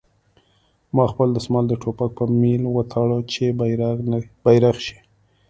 ما خپل دسمال د ټوپک په میل وتاړه چې بیرغ شي